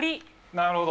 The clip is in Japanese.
なるほど。